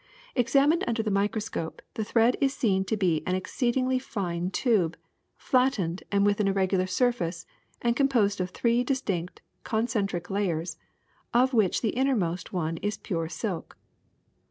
^^ Examined under the microscope, the thread is seen to be an exceedingly fine tube, flattened and w^ith an irregular surface, a^d composed of three distinct concentric layers, of which the innermost one is pure silk.